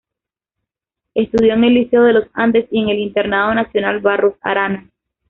Estudió en el Liceo de Los Andes y en el Internado Nacional Barros Arana.